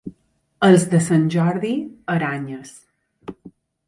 Els de Sant Jordi, aranyes.